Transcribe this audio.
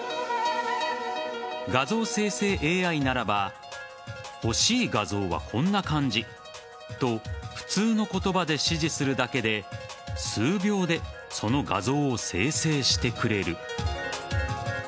画像生成ＡＩならば欲しい画像は、こんな感じと普通の言葉で指示するだけで数秒でその画像を生成してくれる。